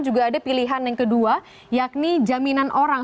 juga ada pilihan yang kedua yakni jaminan orang